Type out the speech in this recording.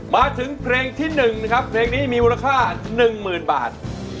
มาถึงเพลงที่๑นะครับเพลงนี้มีมูลค่า๑๐๐๐บาท